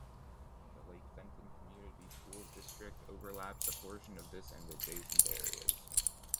The Lake Fenton Community Schools district overlaps a portion of this and adjacent areas.